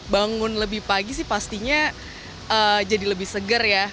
bangun lebih pagi sih pastinya jadi lebih seger ya